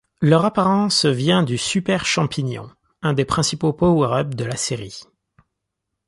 Leur apparence vient du Super champignon, un des principaux power ups de la série.